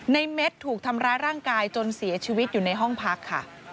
เม็ดถูกทำร้ายร่างกายจนเสียชีวิตอยู่ในห้องพักค่ะ